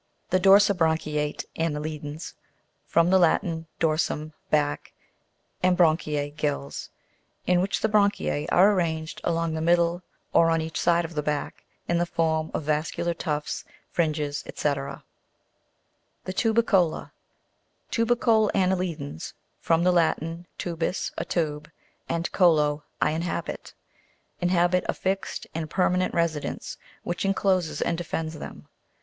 2d. The dorsibranchiate anne'lidans (from the Latin, dorsum, back, and branchia, gills), in which the branchiae are arranged along the middle or on each side of the back, in form of vascular tufts, fringes, &c. (fig. 74, br). 3d. The tubicola tubicole anne'lidans (from the Latin, tubus, a tube, and colo, I inhabit) inhabit a fixed and permanent resi dence, which encloses and defends them.